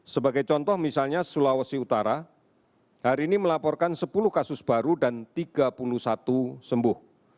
sebagai contoh misalnya sulawesi utara hari ini melaporkan sepuluh kasus baru dan tiga puluh satu sembuh